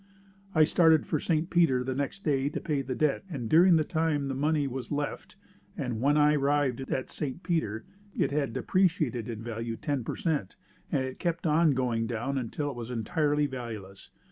I started for St. Peter the next day to pay the debt and during the time the money was left and when I arrived at St. Peter it had depreciated in value ten per cent and it kept on going down until it was entirely valueless.